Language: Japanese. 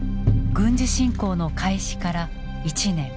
軍事侵攻の開始から１年。